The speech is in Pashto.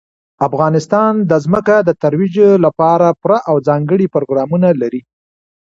افغانستان د ځمکه د ترویج لپاره پوره او ځانګړي پروګرامونه لري.